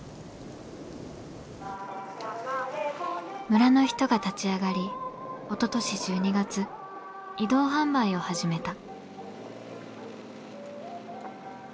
村の人が立ち上がりおととし１２月移動販売を始めた。